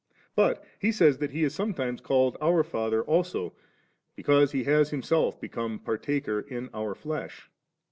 But he says, that He is some times called our Father also, because He has Himself become partaker in our flesh.